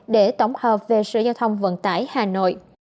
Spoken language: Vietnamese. để tổng hợp về sở giao thông vận tải hà nội